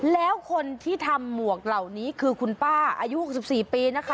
แล้วคนที่ทำหมวกเหล่านี้คือคุณป้าอายุ๖๔ปีนะคะ